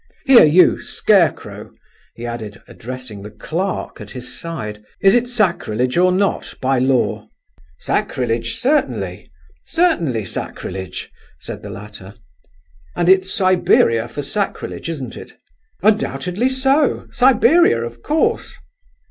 Here, you—scarecrow!" he added, addressing the clerk at his side, "is it sacrilege or not, by law?" "Sacrilege, certainly—certainly sacrilege," said the latter. "And it's Siberia for sacrilege, isn't it?" "Undoubtedly so; Siberia, of course!"